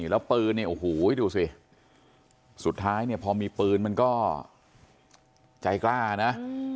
แล้วปืนเนี่ยโอ้โหดูสิสุดท้ายเนี่ยพอมีปืนมันก็ใจกล้านะ